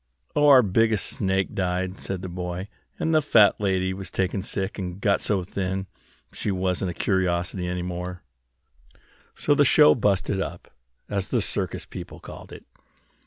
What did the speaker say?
"Oh, our biggest snake died," said the boy, "and the fat lady was taken sick, and got so thin she wasn't a curiosity any more, so the show 'busted up,' as the circus people called it."